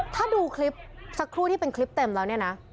ถ้าดูคลิปสักครู่ที่เป็นคลิปเต็มแล้วเนี่ยนะ